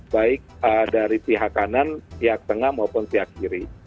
baik dari pihak kanan pihak tengah maupun pihak kiri